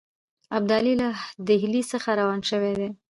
ابدالي له ډهلي څخه روان شوی دی.